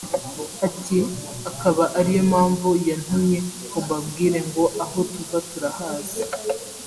Ati “Akaba ari yo mpamvu yantumye ngo mbabwire ngo ‘aho tuva turahazi